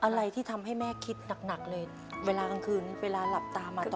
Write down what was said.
อะไรที่ทำให้แม่คิดหนักเลยเวลากลางคืนเวลาหลับตามา